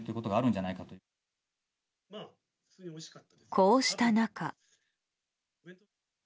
こうした中。